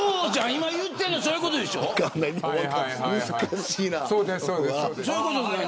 今、言ってるのはそういうことでしょう。